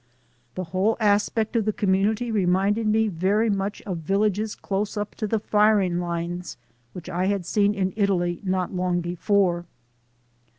The whole aspect of the com munity reminded me very much of villages close up to the firing lines, which I had seen in Italy not long before.